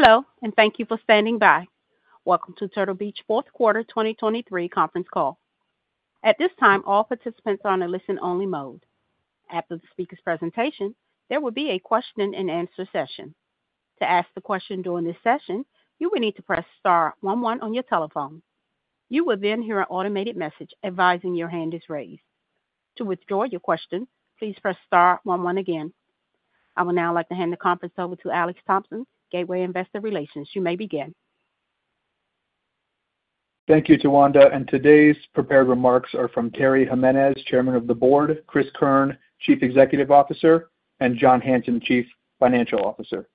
Hello and thank you for standing by. Welcome to Turtle Beach fourth quarter 2023 conference call. At this time, all participants are in a listen-only mode. After the speaker's presentation, there will be a question-and-answer session. To ask the question during this session, you will need to press star one one on your telephone. You will then hear an automated message advising your hand is raised. To withdraw your question, please press star one one again. I will now like to hand the conference over to Alex Thompson, Gateway Investor Relations. You may begin. Thank you, Tawanda. Today's prepared remarks are from Terry Jimenez, Chairman of the Board, Cris Keirn, Chief Executive Officer, and John Hanson, Chief Financial Officer.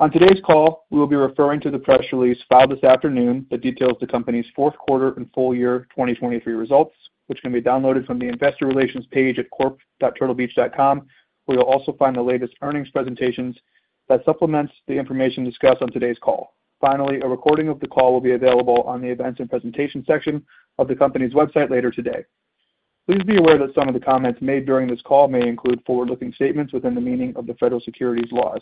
On today's call, we will be referring to the press release filed this afternoon that details the company's fourth quarter and full year 2023 results, which can be downloaded from the Investor Relations page at corp.turtlebeach.com, where you'll also find the latest earnings presentations that supplement the information discussed on today's call. Finally, a recording of the call will be available on the events and presentation section of the company's website later today. Please be aware that some of the comments made during this call may include forward-looking statements within the meaning of the federal securities laws.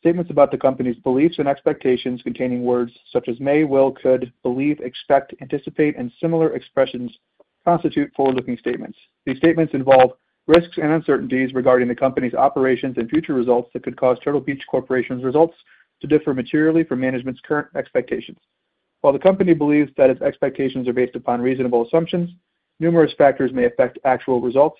Statements about the company's beliefs and expectations containing words such as may, will, could, believe, expect, anticipate, and similar expressions constitute forward-looking statements. These statements involve risks and uncertainties regarding the company's operations and future results that could cause Turtle Beach Corporation's results to differ materially from management's current expectations. While the company believes that its expectations are based upon reasonable assumptions, numerous factors may affect actual results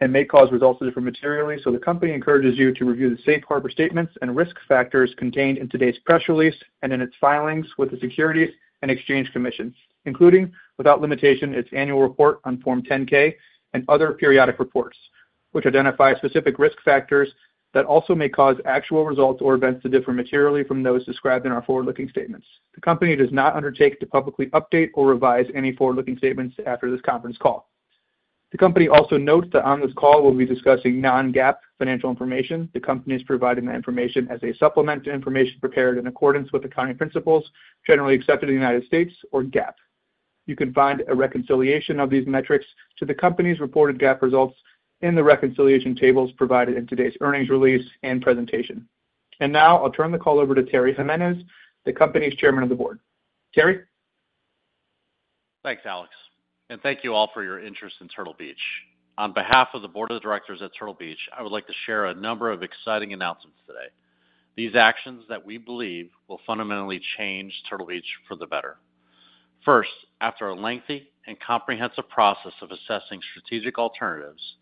and may cause results to differ materially, so the company encourages you to review the safe harbor statements and risk factors contained in today's press release and in its filings with the Securities and Exchange Commission, including, without limitation, its Annual Report on Form 10-K and other periodic reports, which identify specific risk factors that also may cause actual results or events to differ materially from those described in our forward-looking statements. The company does not undertake to publicly update or revise any forward-looking statements after this conference call. The company also notes that on this call we'll be discussing non-GAAP financial information. The company is providing that information as a supplement to information prepared in accordance with accounting principles generally accepted in the United States, or GAAP. You can find a reconciliation of these metrics to the company's reported GAAP results in the reconciliation tables provided in today's earnings release and presentation. And now I'll turn the call over to Terry Jimenez, the company's Chairman of the Board. Terry? Thanks, Alex. Thank you all for your interest in Turtle Beach. On behalf of the Board of Directors at Turtle Beach, I would like to share a number of exciting announcements today. These actions that we believe will fundamentally change Turtle Beach for the better. First, after a lengthy and comprehensive process of assessing strategic alternatives,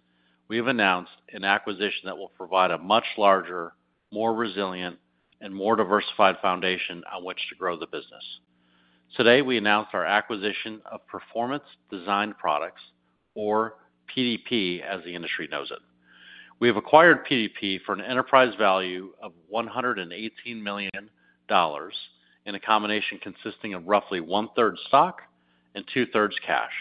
we have announced an acquisition that will provide a much larger, more resilient, and more diversified foundation on which to grow the business. Today we announced our acquisition of Performance Designed Products, or PDP as the industry knows it. We have acquired PDP for an enterprise value of $118 million in a combination consisting of roughly one-third stock and two-thirds cash.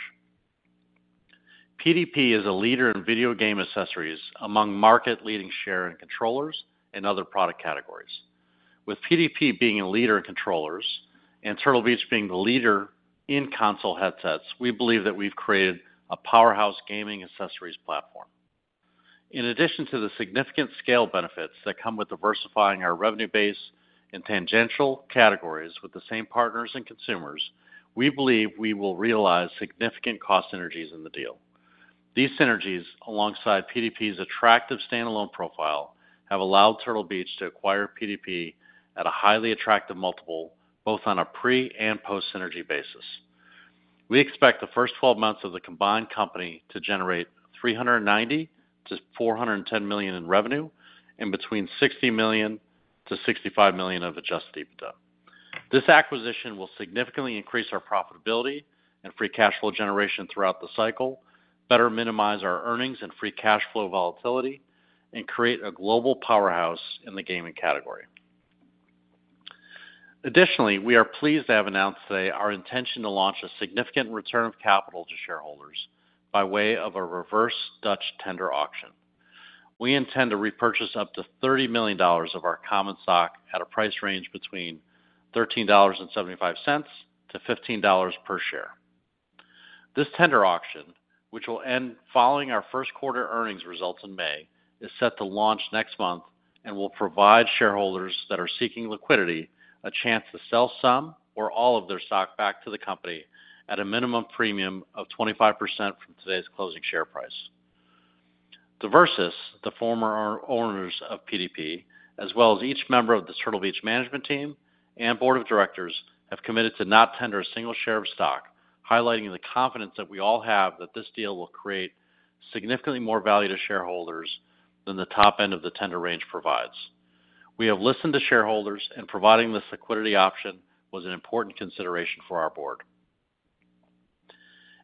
PDP is a leader in video game accessories among market-leading share in controllers and other product categories. With PDP being a leader in controllers and Turtle Beach being the leader in console headsets, we believe that we've created a powerhouse gaming accessories platform. In addition to the significant scale benefits that come with diversifying our revenue base in tangential categories with the same partners and consumers, we believe we will realize significant cost synergies in the deal. These synergies, alongside PDP's attractive standalone profile, have allowed Turtle Beach to acquire PDP at a highly attractive multiple, both on a pre- and post-synergy basis. We expect the first 12 months of the combined company to generate $390 million-$410 million in revenue and between $60 million-$65 million of Adjusted EBITDA. This acquisition will significantly increase our profitability and free cash flow generation throughout the cycle, better minimize our earnings and free cash flow volatility, and create a global powerhouse in the gaming category. Additionally, we are pleased to have announced today our intention to launch a significant return of capital to shareholders by way of a reverse Dutch tender auction. We intend to repurchase up to $30 million of our common stock at a price range between $13.75-$15 per share. This tender auction, which will end following our first quarter earnings results in May, is set to launch next month and will provide shareholders that are seeking liquidity a chance to sell some or all of their stock back to the company at a minimum premium of 25% from today's closing share price. Diversis Capital, the former owners of PDP, as well as each member of the Turtle Beach management team and board of directors, have committed to not tender a single share of stock, highlighting the confidence that we all have that this deal will create significantly more value to shareholders than the top end of the tender range provides. We have listened to shareholders, and providing this liquidity option was an important consideration for our board.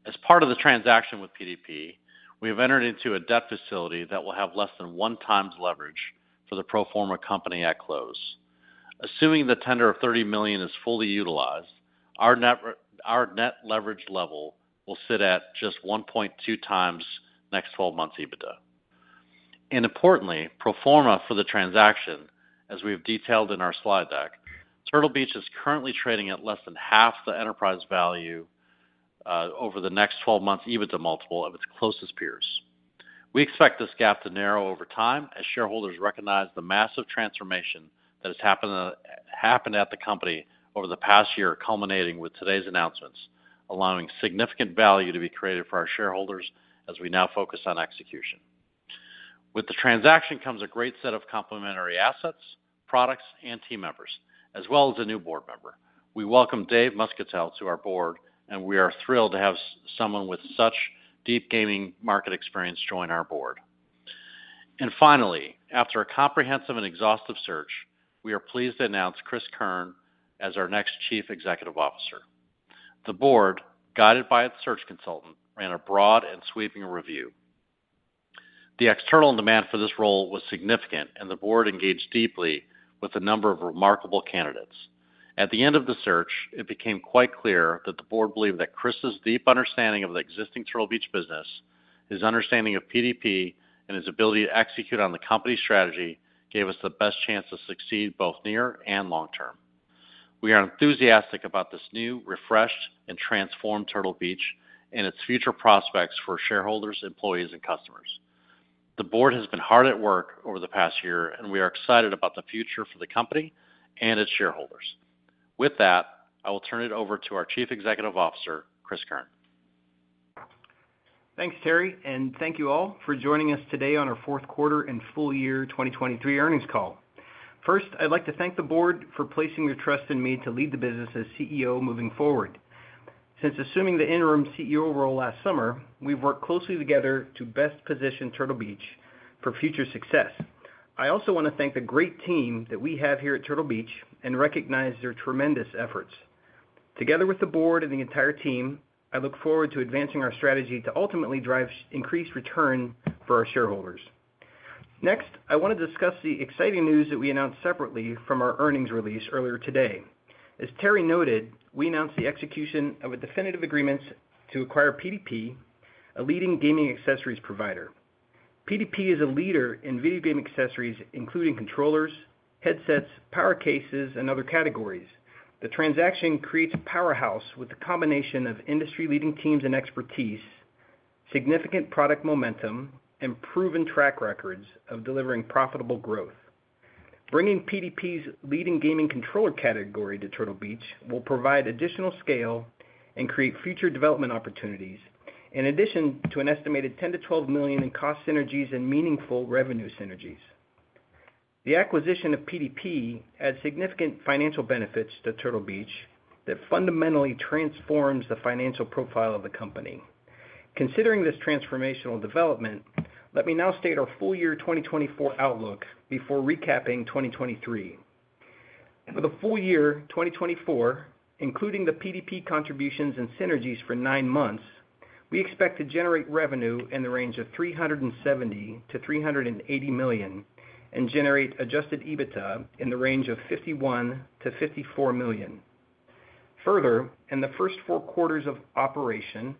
As part of the transaction with PDP, we have entered into a debt facility that will have less than 1x leverage for the pro forma company at close. Assuming the tender of $30 million is fully utilized, our net leverage level will sit at just 1.2x next 12 months' EBITDA. Importantly, pro forma for the transaction, as we have detailed in our slide deck, Turtle Beach is currently trading at less than half the enterprise value over the next 12 months' EBITDA multiple of its closest peers. We expect this gap to narrow over time as shareholders recognize the massive transformation that has happened at the company over the past year, culminating with today's announcements, allowing significant value to be created for our shareholders as we now focus on execution. With the transaction comes a great set of complementary assets, products, and team members, as well as a new board member. We welcome Dave Muscatel to our board, and we are thrilled to have someone with such deep gaming market experience join our board. And finally, after a comprehensive and exhaustive search, we are pleased to announce Cris Keirn as our next Chief Executive Officer. The board, guided by its search consultant, ran a broad and sweeping review. The external demand for this role was significant, and the board engaged deeply with a number of remarkable candidates. At the end of the search, it became quite clear that the board believed that Cris's deep understanding of the existing Turtle Beach business, his understanding of PDP, and his ability to execute on the company's strategy gave us the best chance to succeed both near and long term. We are enthusiastic about this new, refreshed, and transformed Turtle Beach and its future prospects for shareholders, employees, and customers. The board has been hard at work over the past year, and we are excited about the future for the company and its shareholders. With that, I will turn it over to our Chief Executive Officer, Cris Keirn. Thanks, Terry, and thank you all for joining us today on our fourth quarter and full year 2023 earnings call. First, I'd like to thank the board for placing their trust in me to lead the business as CEO moving forward. Since assuming the interim CEO role last summer, we've worked closely together to best position Turtle Beach for future success. I also want to thank the great team that we have here at Turtle Beach and recognize their tremendous efforts. Together with the board and the entire team, I look forward to advancing our strategy to ultimately drive increased return for our shareholders. Next, I want to discuss the exciting news that we announced separately from our earnings release earlier today. As Terry noted, we announced the execution of a definitive agreement to acquire PDP, a leading gaming accessories provider. PDP is a leader in video game accessories, including controllers, headsets, power cases, and other categories. The transaction creates a powerhouse with a combination of industry-leading teams and expertise, significant product momentum, and proven track records of delivering profitable growth. Bringing PDP's leading gaming controller category to Turtle Beach will provide additional scale and create future development opportunities, in addition to an estimated $10 million-$12 million in cost synergies and meaningful revenue synergies. The acquisition of PDP adds significant financial benefits to Turtle Beach that fundamentally transforms the financial profile of the company. Considering this transformational development, let me now state our full year 2024 outlook before recapping 2023. For the full year 2024, including the PDP contributions and synergies for nine months, we expect to generate revenue in the range of $370 million-$380 million and generate Adjusted EBITDA in the range of $51 million-$54 million. Further, in the first four quarters of operation,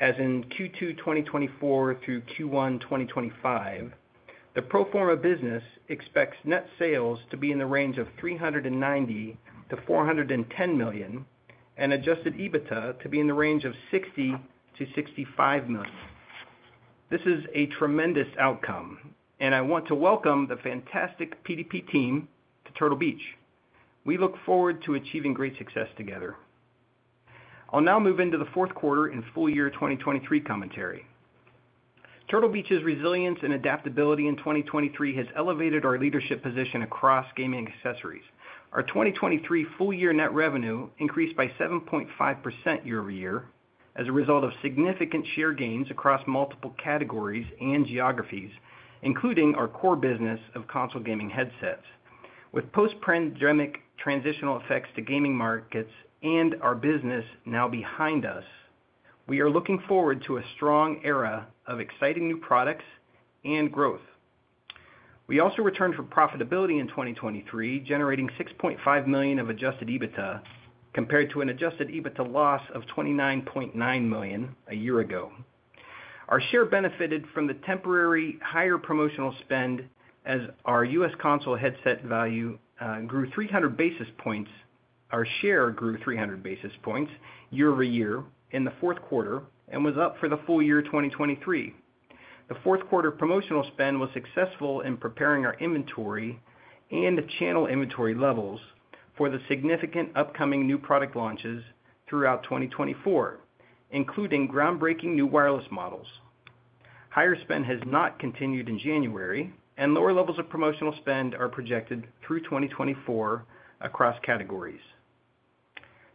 as in Q2 2024 through Q1 2025, the pro forma business expects net sales to be in the range of $390 million-$410 million and Adjusted EBITDA to be in the range of $60 million-$65 million. This is a tremendous outcome, and I want to welcome the fantastic PDP team to Turtle Beach. We look forward to achieving great success together. I'll now move into the fourth quarter and full year 2023 commentary. Turtle Beach's resilience and adaptability in 2023 has elevated our leadership position across gaming accessories. Our 2023 full year net revenue increased by 7.5% year-over-year as a result of significant share gains across multiple categories and geographies, including our core business of console gaming headsets. With post-pandemic transitional effects to gaming markets and our business now behind us, we are looking forward to a strong era of exciting new products and growth. We also returned for profitability in 2023, generating $6.5 million of Adjusted EBITDA compared to an Adjusted EBITDA loss of $29.9 million a year ago. Our share benefited from the temporary higher promotional spend as our U.S. console headset value grew 300 basis points. Our share grew 300 basis points year-over-year in the fourth quarter and was up for the full year 2023. The fourth quarter promotional spend was successful in preparing our inventory and channel inventory levels for the significant upcoming new product launches throughout 2024, including groundbreaking new wireless models. Higher spend has not continued in January, and lower levels of promotional spend are projected through 2024 across categories.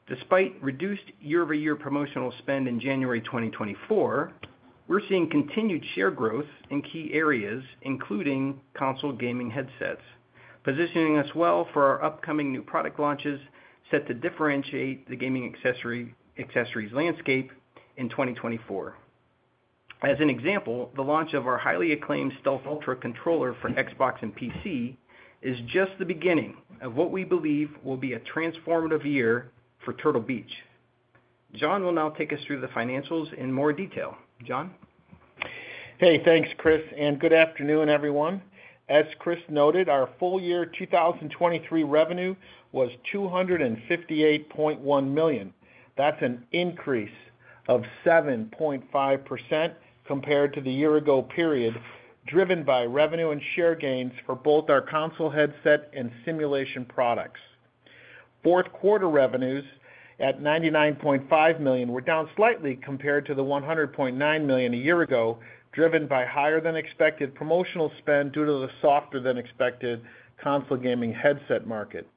Despite reduced year-over-year promotional spend in January 2024, we're seeing continued share growth in key areas, including console gaming headsets, positioning us well for our upcoming new product launches set to differentiate the gaming accessories landscape in 2024. As an example, the launch of our highly acclaimed Stealth Ultra controller for Xbox and PC is just the beginning of what we believe will be a transformative year for Turtle Beach. John will now take us through the financials in more detail. John? Hey, thanks, Cris, and good afternoon, everyone. As Cris noted, our full year 2023 revenue was $258.1 million. That's an increase of 7.5% compared to the year-ago period, driven by revenue and share gains for both our console headset and simulation products. Fourth quarter revenues at $99.5 million were down slightly compared to the $100.9 million a year ago, driven by higher-than-expected promotional spend due to the softer-than-expected console gaming headset market.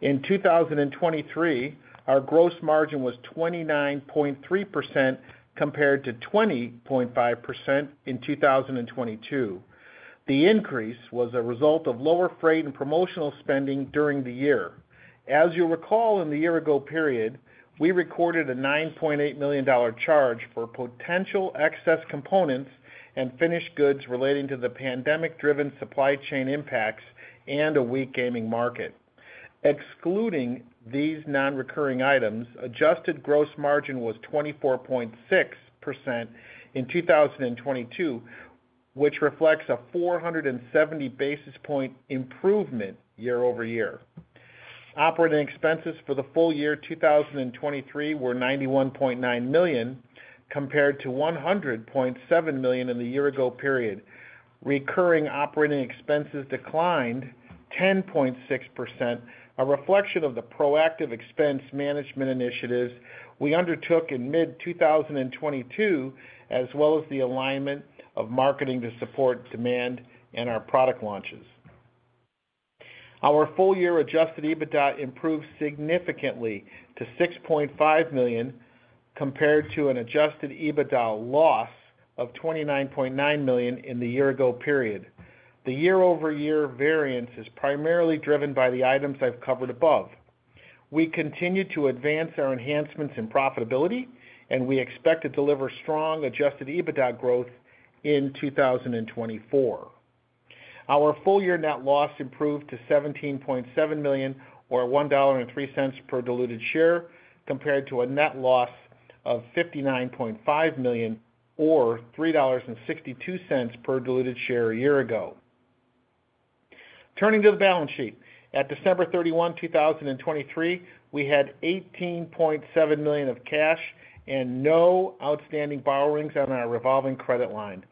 In 2023, our gross margin was 29.3% compared to 20.5% in 2022. The increase was a result of lower freight and promotional spending during the year. As you'll recall, in the year-ago period, we recorded a $9.8 million charge for potential excess components and finished goods relating to the pandemic-driven supply chain impacts and a weak gaming market. Excluding these non-recurring items, adjusted gross margin was 24.6% in 2022, which reflects a 470 basis points improvement year-over-year. Operating expenses for the full year 2023 were $91.9 million compared to $100.7 million in the year-ago period. Recurring operating expenses declined 10.6%, a reflection of the proactive expense management initiatives we undertook in mid-2022, as well as the alignment of marketing to support demand and our product launches. Our full year adjusted EBITDA improved significantly to $6.5 million compared to an adjusted EBITDA loss of $29.9 million in the year-ago period. The year-over-year variance is primarily driven by the items I've covered above. We continue to advance our enhancements in profitability, and we expect to deliver strong adjusted EBITDA growth in 2024. Our full year net loss improved to $17.7 million, or $1.03 per diluted share, compared to a net loss of $59.5 million, or $3.62 per diluted share a year ago. Turning to the balance sheet, at December 31, 2023, we had $18.7 million of cash and no outstanding borrowings on our revolving credit line.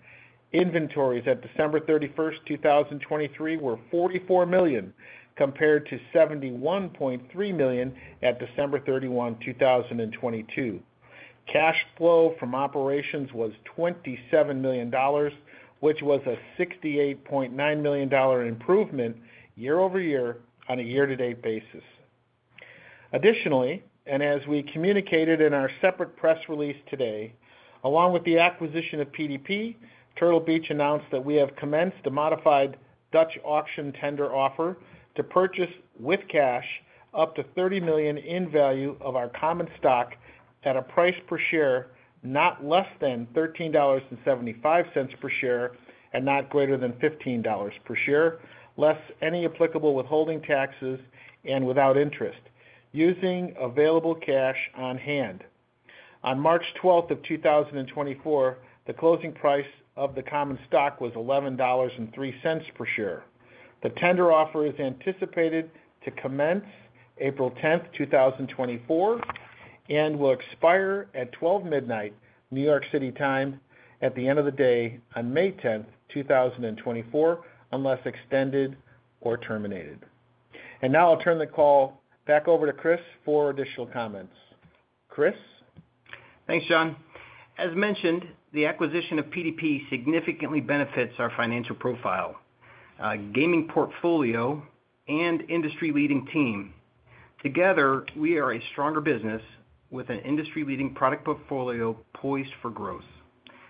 Inventories at December 31st, 2023, were $44 million compared to $71.3 million at December 31, 2022. Cash flow from operations was $27 million, which was a $68.9 million improvement year-over-year on a year-to-date basis. Additionally, and as we communicated in our separate press release today, along with the acquisition of PDP, Turtle Beach announced that we have commenced a modified Dutch auction tender offer to purchase with cash up to $30 million in value of our common stock at a price per share not less than $13.75 per share and not greater than $15 per share, less any applicable withholding taxes and without interest, using available cash on hand. On March 12th, 2024, the closing price of the common stock was $11.03 per share. The tender offer is anticipated to commence April 10th, 2024, and will expire at 12:00 A.M., New York City time, at the end of the day on May 10th, 2024, unless extended or terminated. Now I'll turn the call back over to Cris for additional comments. Cris? Thanks, John. As mentioned, the acquisition of PDP significantly benefits our financial profile, gaming portfolio, and industry-leading team. Together, we are a stronger business with an industry-leading product portfolio poised for growth.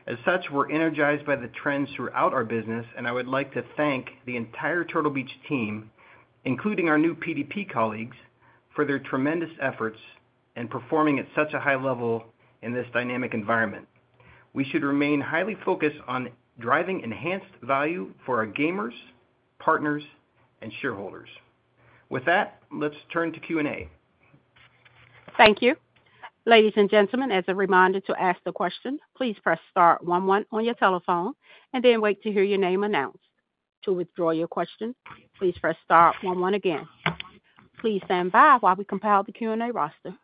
As such, we're energized by the trends throughout our business, and I would like to thank the entire Turtle Beach team, including our new PDP colleagues, for their tremendous efforts and performing at such a high level in this dynamic environment. We should remain highly focused on driving enhanced value for our gamers, partners, and shareholders. With that, let's turn to Q&A. Thank you. Ladies and gentlemen, as a reminder to ask the question, please press star one on your telephone and then wait to hear your name announced. To withdraw your question, please press star one one again. Please stand by while we compile the Q&A roster.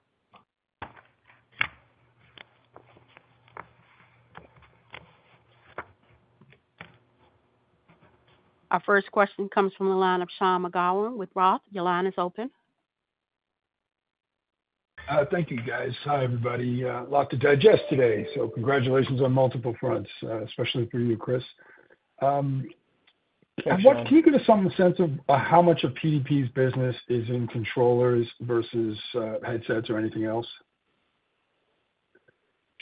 Our first question comes from the line of Sean McGowan with Roth. Your line is open. Thank you, guys. Hi, everybody. A lot to digest today, so congratulations on multiple fronts, especially for you, Cris. Can you give us some sense of how much of PDP's business is in controllers versus headsets or anything else?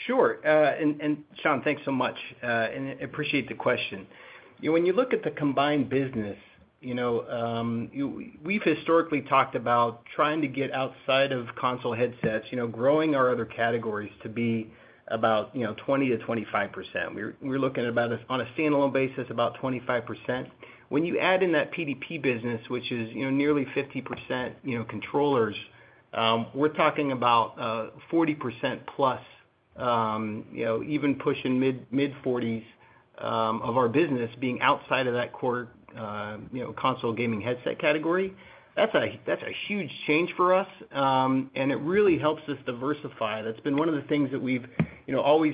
Sure. And Sean, thanks so much. And I appreciate the question. When you look at the combined business, we've historically talked about trying to get outside of console headsets, growing our other categories to be about 20%-25%. We're looking at about, on a standalone basis, about 25%. When you add in that PDP business, which is nearly 50% controllers, we're talking about 40% plus, even pushing mid-40s, of our business being outside of that console gaming headset category. That's a huge change for us, and it really helps us diversify. That's been one of the things that we've always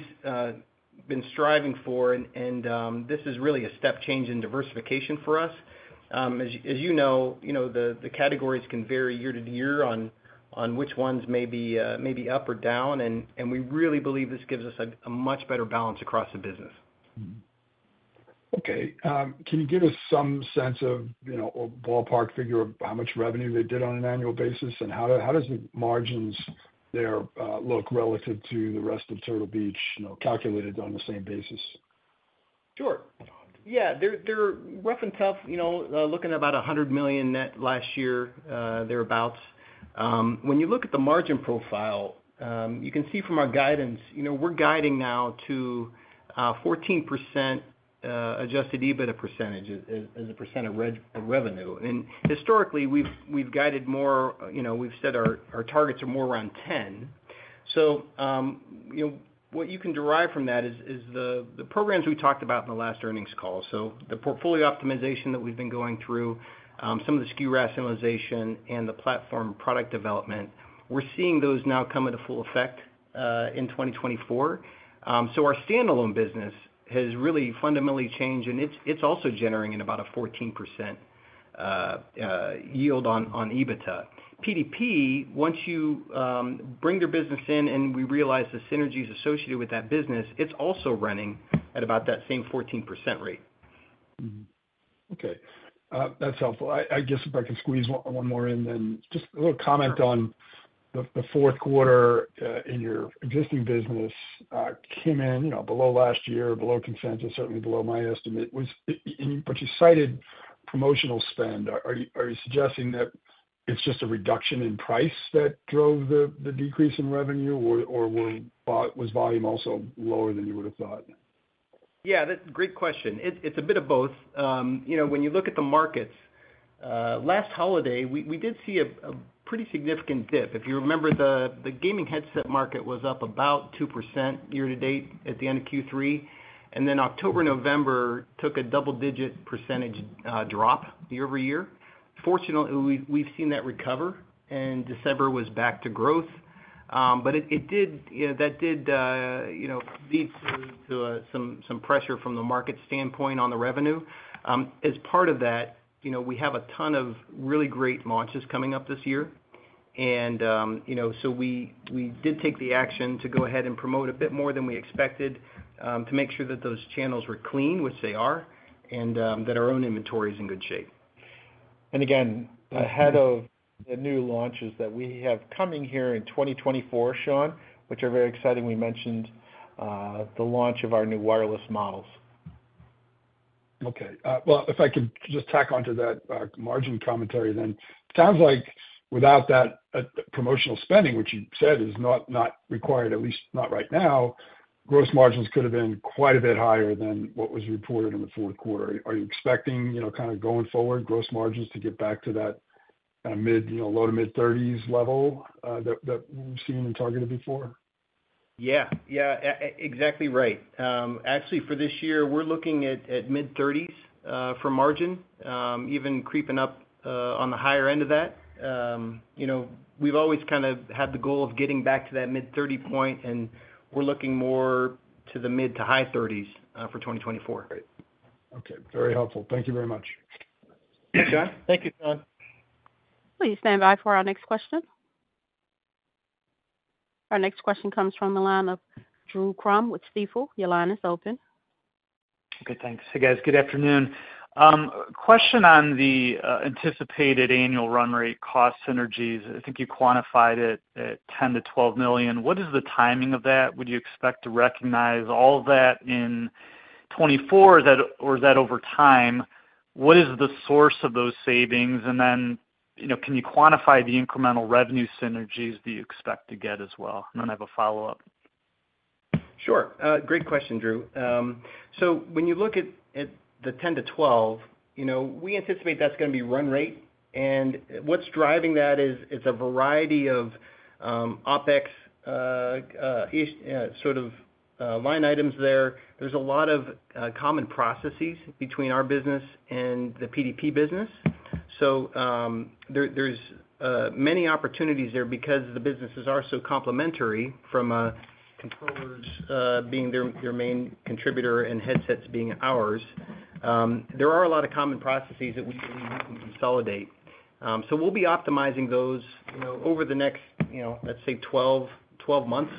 been striving for, and this is really a step change in diversification for us. As you know, the categories can vary year to year on which ones may be up or down, and we really believe this gives us a much better balance across the business. Okay. Can you give us some sense of or ballpark figure of how much revenue they did on an annual basis, and how does the margins there look relative to the rest of Turtle Beach, calculated on the same basis? Sure. Yeah, they're rough and tough, looking at about $100 million net last year, thereabouts. When you look at the margin profile, you can see from our guidance, we're guiding now to 14% Adjusted EBITDA percentage as a percent of revenue. And historically, we've guided more; we've said our targets are more around 10%. So what you can derive from that is the programs we talked about in the last earnings call, so the portfolio optimization that we've been going through, some of the SKU rationalization, and the platform product development. We're seeing those now come into full effect in 2024. So our standalone business has really fundamentally changed, and it's also generating about a 14% yield on EBITDA. PDP, once you bring your business in and we realize the synergies associated with that business, it's also running at about that same 14% rate. Okay. That's helpful. I guess if I can squeeze one more in, then just a little comment on the fourth quarter in your existing business came in below last year, below consensus, certainly below my estimate. But you cited promotional spend. Are you suggesting that it's just a reduction in price that drove the decrease in revenue, or was volume also lower than you would have thought? Yeah, that's a great question. It's a bit of both. When you look at the markets, last holiday, we did see a pretty significant dip. If you remember, the gaming headset market was up about 2% year to date at the end of Q3, and then October, November took a double-digit percentage drop year-over-year. Fortunately, we've seen that recover, and December was back to growth. But that did lead to some pressure from the market standpoint on the revenue. As part of that, we have a ton of really great launches coming up this year. And so we did take the action to go ahead and promote a bit more than we expected to make sure that those channels were clean, which they are, and that our own inventory is in good shape. And again, ahead of the new launches that we have coming here in 2024, Sean, which are very exciting, we mentioned the launch of our new wireless models. Okay. Well, if I could just tack onto that margin commentary, then it sounds like without that promotional spending, which you said is not required, at least not right now, gross margins could have been quite a bit higher than what was reported in the fourth quarter. Are you expecting, kind of going forward, gross margins to get back to that low- to mid-30s level that we've seen and targeted before? Yeah. Yeah, exactly right. Actually, for this year, we're looking at mid-30s% for margin, even creeping up on the higher end of that. We've always kind of had the goal of getting back to that mid-30% point, and we're looking more to the mid- to high 30s% for 2024. Great. Okay. Very helpful. Thank you very much. Thanks, Sean. Thank you, Sean. Will you stand by for our next question? Our next question comes from the line of Drew Crum with Stifel. Your line is open. Okay. Thanks. Hey, guys. Good afternoon. Question on the anticipated annual run rate, cost synergies. I think you quantified it at $10 million-$12 million. What is the timing of that? Would you expect to recognize all of that in 2024, or is that over time? What is the source of those savings? And then can you quantify the incremental revenue synergies that you expect to get as well? And then I have a follow-up. Sure. Great question, Drew. So when you look at the $10 million-$12 million, we anticipate that's going to be run rate. And what's driving that is a variety of OpEx sort of line items there. There's a lot of common processes between our business and the PDP business. So there's many opportunities there because the businesses are so complementary from controllers being their main contributor and headsets being ours. There are a lot of common processes that we believe we can consolidate. So we'll be optimizing those over the next, let's say, 12 months.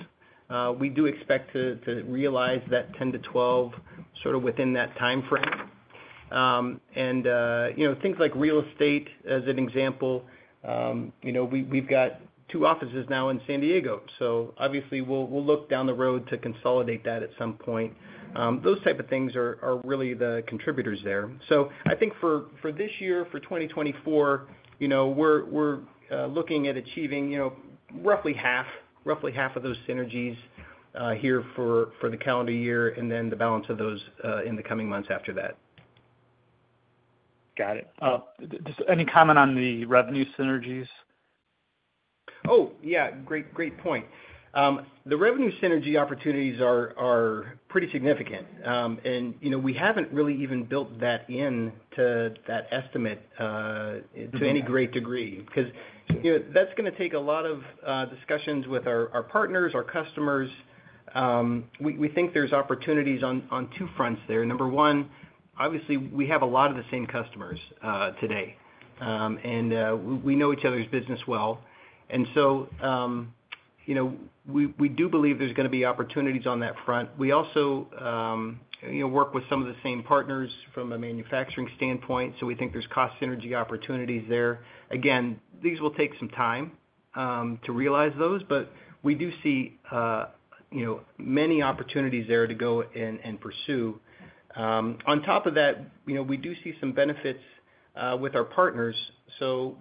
We do expect to realize that 10-12 sort of within that time frame. And things like real estate, as an example, we've got two offices now in San Diego. So obviously, we'll look down the road to consolidate that at some point. Those type of things are really the contributors there. So I think for this year, for 2024, we're looking at achieving roughly half of those synergies here for the calendar year and then the balance of those in the coming months after that. Got it. Any comment on the revenue synergies? Oh, yeah. Great point. The revenue synergy opportunities are pretty significant. And we haven't really even built that into that estimate to any great degree because that's going to take a lot of discussions with our partners, our customers. We think there's opportunities on two fronts there. Number one, obviously, we have a lot of the same customers today, and we know each other's business well. And so we do believe there's going to be opportunities on that front. We also work with some of the same partners from a manufacturing standpoint, so we think there's cost synergy opportunities there. Again, these will take some time to realize those, but we do see many opportunities there to go and pursue. On top of that, we do see some benefits with our partners. So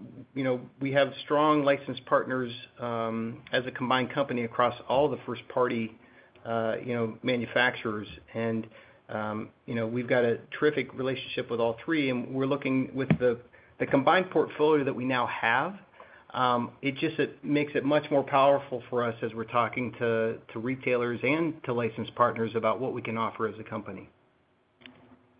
we have strong licensed partners as a combined company across all the first-party manufacturers, and we've got a terrific relationship with all three. With the combined portfolio that we now have, it just makes it much more powerful for us as we're talking to retailers and to licensed partners about what we can offer as a company.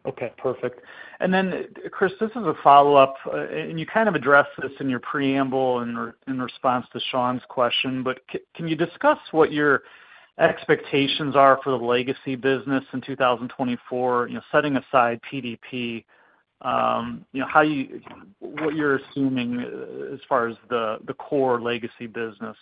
Okay. Perfect. And then, Cris, this is a follow-up, and you kind of addressed this in your preamble in response to Sean's question, but can you discuss what your expectations are for the legacy business in 2024, setting aside PDP, what you're assuming as far as the core legacy business?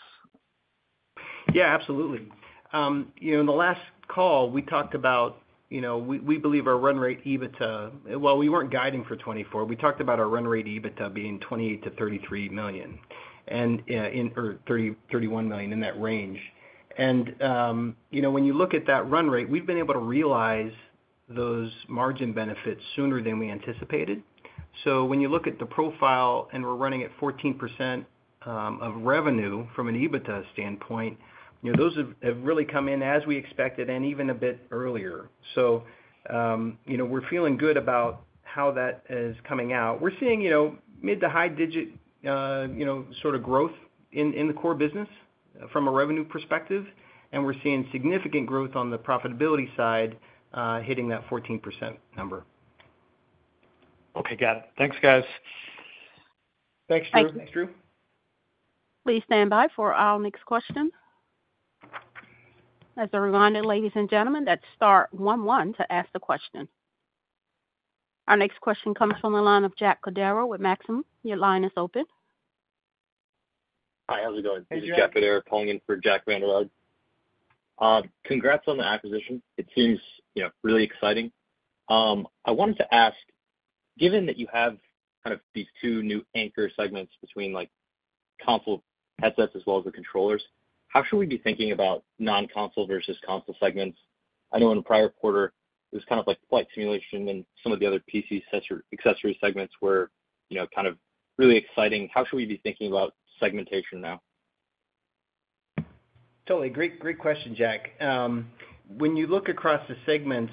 Yeah, absolutely. In the last call, we talked about we believe our run rate EBITDA well, we weren't guiding for 2024. We talked about our run rate EBITDA being $28 million-$33 million or $31 million, in that range. And when you look at that run rate, we've been able to realize those margin benefits sooner than we anticipated. So when you look at the profile and we're running at 14% of revenue from an EBITDA standpoint, those have really come in as we expected and even a bit earlier. So we're feeling good about how that is coming out. We're seeing mid to high-digit sort of growth in the core business from a revenue perspective, and we're seeing significant growth on the profitability side hitting that 14% number. Okay. Got it. Thanks, guys. Thanks, Drew. Thanks, Drew. Will you stand by for our next question? As a reminder, ladies and gentlemen, that's star one one to ask the question. Our next question comes from the line of Jack Cordero with Maxim. Your line is open. Hi. How's it going? This is Jack Codera calling in for Jack Vander Aarde. Congrats on the acquisition. It seems really exciting. I wanted to ask, given that you have kind of these two new anchor segments between console headsets as well as the controllers, how should we be thinking about non-console versus console segments? I know in a prior quarter, it was kind of like flight simulation and some of the other PC accessory segments were kind of really exciting. How should we be thinking about segmentation now? Totally. Great question, Jack. When you look across the segments,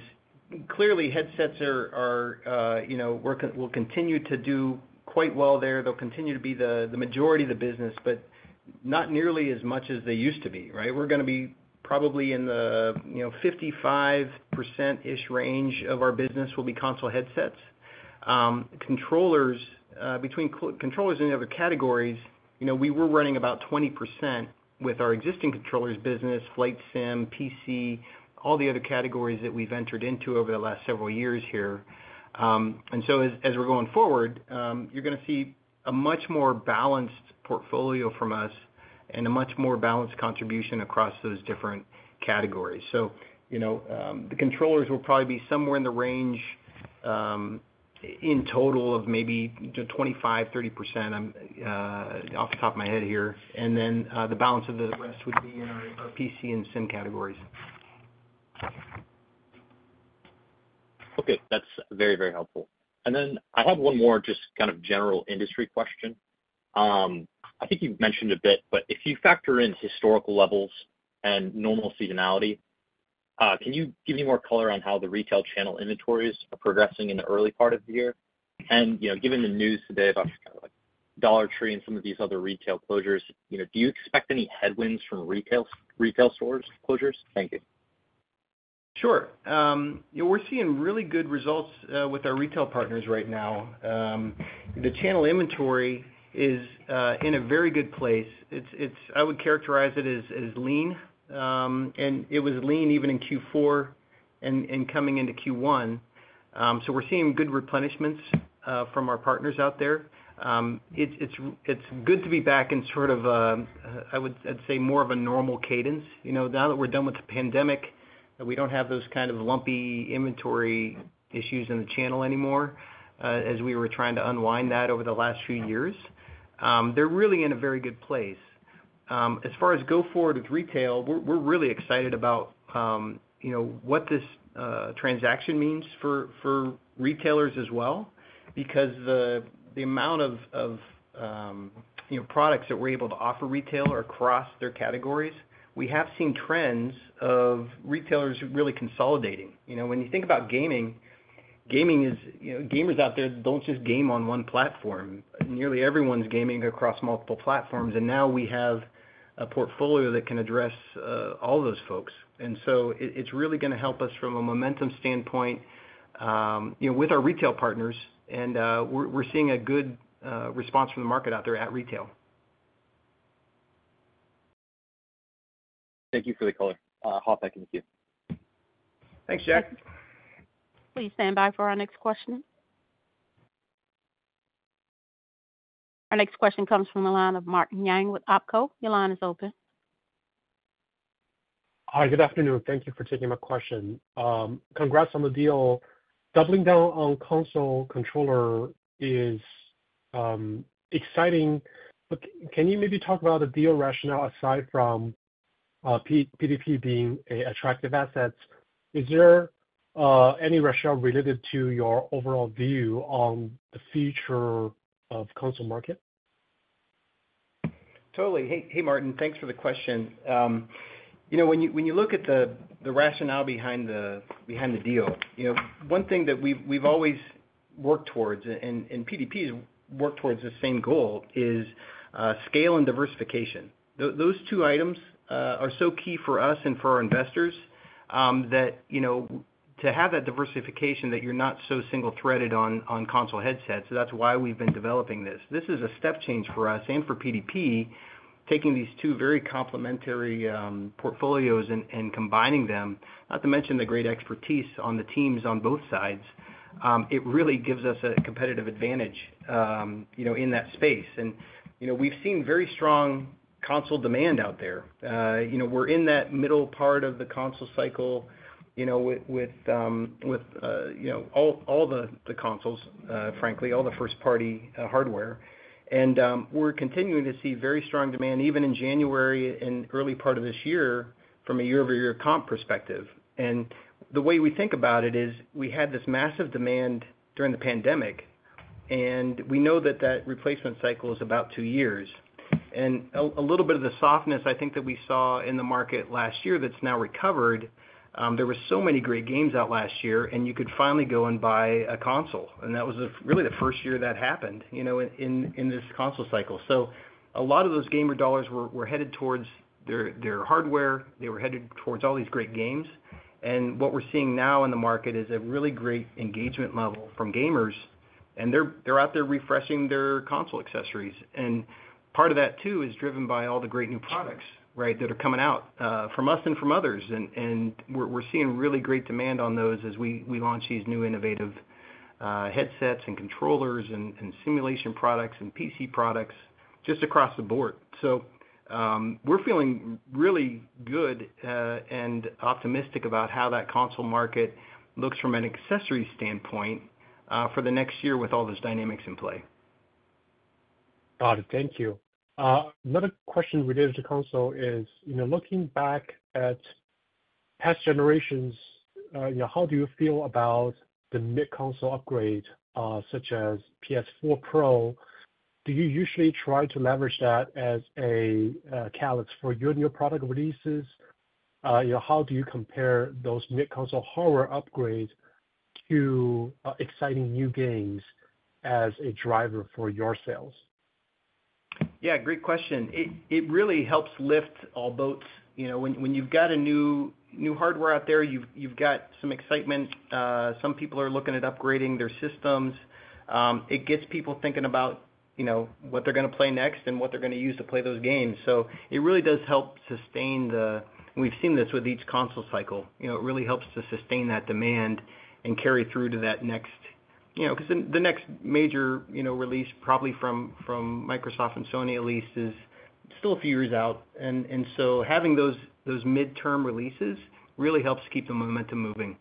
clearly, headsets will continue to do quite well there. They'll continue to be the majority of the business, but not nearly as much as they used to be, right? We're going to be probably in the 55%-ish range of our business will be console headsets. Controllers, between controllers and the other categories, we were running about 20% with our existing controllers business, flight sim, PC, all the other categories that we've entered into over the last several years here. And so as we're going forward, you're going to see a much more balanced portfolio from us and a much more balanced contribution across those different categories. So the controllers will probably be somewhere in the range in total of maybe 25%-30%, off the top of my head here. Then the balance of the rest would be in our PC and sim categories. Okay. That's very, very helpful. And then I have one more just kind of general industry question. I think you've mentioned a bit, but if you factor in historical levels and normal seasonality, can you give any more color on how the retail channel inventories are progressing in the early part of the year? And given the news today about kind of Dollar Tree and some of these other retail closures, do you expect any headwinds from retail stores' closures? Thank you. Sure. We're seeing really good results with our retail partners right now. The channel inventory is in a very good place. I would characterize it as lean, and it was lean even in Q4 and coming into Q1. So we're seeing good replenishments from our partners out there. It's good to be back in sort of, I would say, more of a normal cadence. Now that we're done with the pandemic, we don't have those kind of lumpy inventory issues in the channel anymore as we were trying to unwind that over the last few years. They're really in a very good place. As far as going forward with retail, we're really excited about what this transaction means for retailers as well because the amount of products that we're able to offer retail across their categories, we have seen trends of retailers really consolidating. When you think about gaming, gamers out there don't just game on one platform. Nearly everyone's gaming across multiple platforms, and now we have a portfolio that can address all those folks. So it's really going to help us from a momentum standpoint with our retail partners, and we're seeing a good response from the market out there at retail. Thank you for the color. I'll hop back on the que, thank you. Thanks, Jack. Will you stand by for our next question? Our next question comes from the line of Martin Yang with Opco. Your line is open. Hi. Good afternoon. Thank you for taking my question. Congrats on the deal. Doubling down on console controller is exciting. Can you maybe talk about the deal rationale aside from PDP being an attractive asset? Is there any rationale related to your overall view on the future of console market? Totally. Hey, Martin. Thanks for the question. When you look at the rationale behind the deal, one thing that we've always worked towards and PDP's work towards the same goal is scale and diversification. Those two items are so key for us and for our investors that to have that diversification, that you're not so single-threaded on console headsets. So that's why we've been developing this. This is a step change for us and for PDP, taking these two very complementary portfolios and combining them, not to mention the great expertise on the teams on both sides. It really gives us a competitive advantage in that space. And we've seen very strong console demand out there. We're in that middle part of the console cycle with all the consoles, frankly, all the first-party hardware. And we're continuing to see very strong demand even in January and early part of this year from a year-over-year comp perspective. And the way we think about it is we had this massive demand during the pandemic, and we know that that replacement cycle is about two years. And a little bit of the softness, I think, that we saw in the market last year that's now recovered, there were so many great games out last year, and you could finally go and buy a console. And that was really the first year that happened in this console cycle. So a lot of those gamer dollars were headed towards their hardware. They were headed towards all these great games. And what we're seeing now in the market is a really great engagement level from gamers, and they're out there refreshing their console accessories. Part of that, too, is driven by all the great new products, right, that are coming out from us and from others. We're seeing really great demand on those as we launch these new innovative headsets and controllers and simulation products and PC products just across the board. We're feeling really good and optimistic about how that console market looks from an accessory standpoint for the next year with all those dynamics in play. Got it. Thank you. Another question related to console is, looking back at past generations, how do you feel about the mid-console upgrade such as PS4 Pro? Do you usually try to leverage that as a catalyst for your new product releases? How do you compare those mid-console hardware upgrades to exciting new games as a driver for your sales? Yeah. Great question. It really helps lift all boats. When you've got a new hardware out there, you've got some excitement. Some people are looking at upgrading their systems. It gets people thinking about what they're going to play next and what they're going to use to play those games. So it really does help sustain. We've seen this with each console cycle. It really helps to sustain that demand and carry through to that next because the next major release, probably from Microsoft and Sony at least, is still a few years out. And so having those midterm releases really helps keep the momentum moving.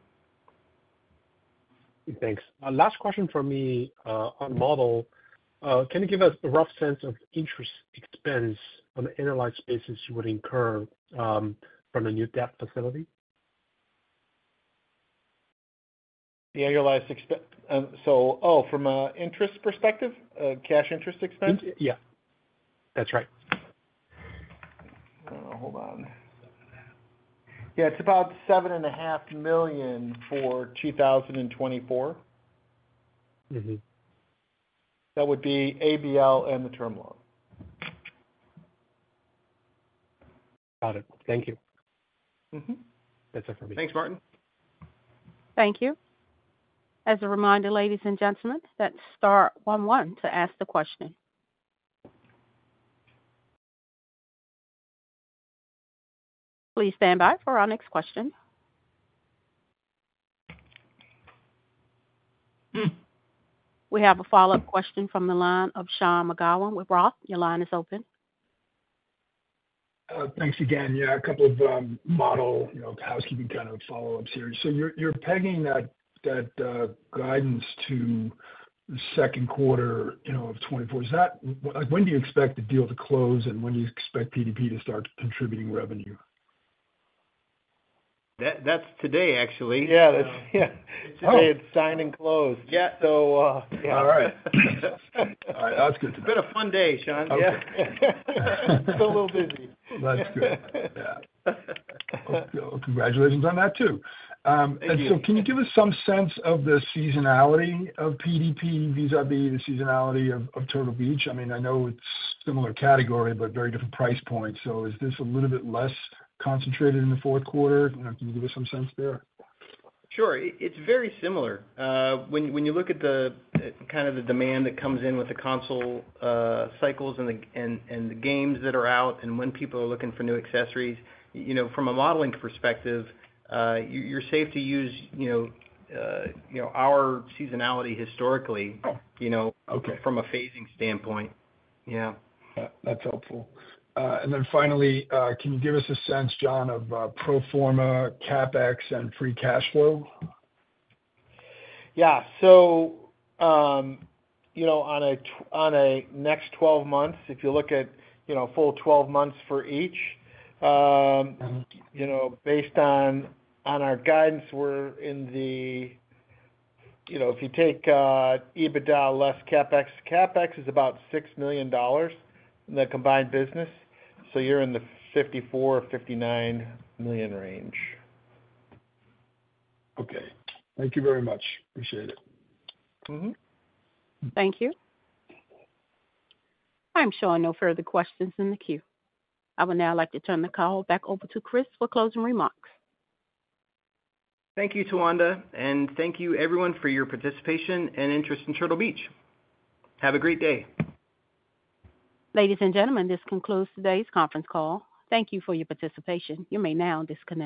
Thanks. Last question from me on model. Can you give us a rough sense of interest expense on the annualized basis you would incur from a new debt facility? The Annualized, so, oh, from an interest perspective, cash interest expense? Yeah. That's right. Hold on. Yeah. It's about $7.5 million for 2024. That would be ABL and the term loan. Got it. Thank you. That's it for me. Thanks, Martin. Thank you. As a reminder, ladies and gentlemen, that's star one one to ask the question. Please stand by for our next question. We have a follow-up question from the line of Sean McGowan with Roth. Your line is open. Thanks again. Yeah. A couple of model housekeeping kind of follow-ups here. So you're pegging that guidance to the second quarter of 2024. When do you expect the deal to close, and when do you expect PDP to start contributing revenue? That's today, actually. Yeah. Yeah. It's today. It's signed and closed. So yeah. All right. All right. That's good. It's been a fun day, Sean. Yeah. Still a little busy. That's good. Yeah. Congratulations on that, too. And so can you give us some sense of the seasonality of PDP vis-à-vis the seasonality of Turtle Beach? I mean, I know it's a similar category, but very different price points. So is this a little bit less concentrated in the fourth quarter? Can you give us some sense there? Sure. It's very similar. When you look at kind of the demand that comes in with the console cycles and the games that are out and when people are looking for new accessories, from a modeling perspective, you're safe to use our seasonality historically from a phasing standpoint. Yeah. That's helpful. And then finally, can you give us a sense, John, of pro forma, CapEx, and free cash flow? Yeah. So on a next 12 months, if you look at full 12 months for each, based on our guidance, we're in the if you take EBITDA less CapEx, CapEx is about $6 million in the combined business. So you're in the $54 million-$59 million range. Okay. Thank you very much. Appreciate it. Thank you. I'm showing no further questions in the queue. I would now like to turn the call back over to Cris for closing remarks. Thank you, Tawanda, and thank you, everyone, for your participation and interest in Turtle Beach. Have a great day. Ladies and gentlemen, this concludes today's conference call. Thank you for your participation. You may now disconnect.